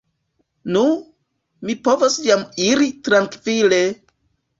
Nu, mi povas jam iri trankvile!